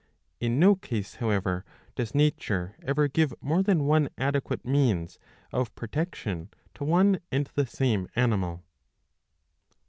^ In no case however does nature ever give more than one adequate means of protection to one and the same animal.